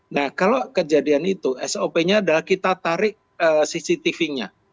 nah kalau kejadian itu sop nya adalah kita tarik cctv nya